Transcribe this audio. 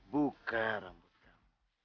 buka rambut kamu